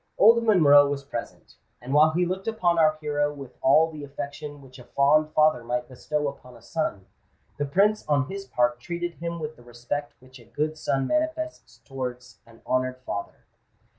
Old Monroe was present; and while he looked upon our hero with all the affection which a fond father might bestow upon a son, the Prince on his part treated him with the respect which a good son manifests towards an honoured father.